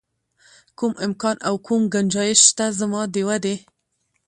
کوم امکان او کوم ګنجایش شته زما د ودې.